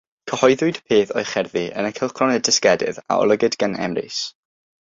Cyhoeddwyd peth o'i cherddi yn y cylchgrawn Y Dysgedydd a olygid gan Emrys.